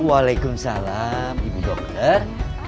waalaikumsalam ibu dokter